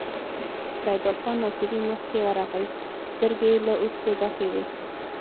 سيدال خان ناصري مخکې ورغی، سترګې يې له اوښکو ډکې وې.